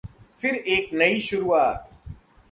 फिर एक नई शुरुआत